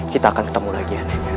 kita akan ketemu lagi